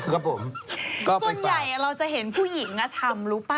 ครับผมส่วนใหญ่เราจะเห็นผู้หญิงทำรู้ป่ะ